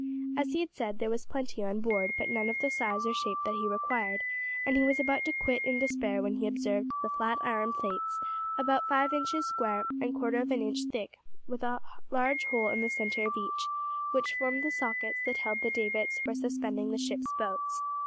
As he had said, there was plenty on board, but none of the size or shape that he required, and he was about to quit in despair when he observed the flat iron plates, about five inches square and quarter of an inch thick, with a large hole in the centre of each, which formed the sockets that held the davits for suspending the ship's boats.